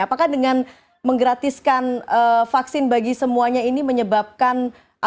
apakah dengan menggratiskan vaksin bagi semuanya ini menyebabkan atau menggantikan keuntungan